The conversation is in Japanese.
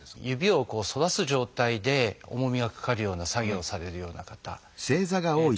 指を反らす状態で重みがかかるような作業をされるような方。